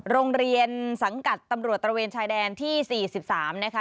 โรงเรียนสังกัดตำรวจตระเวนชายแดนที่๔๓นะคะ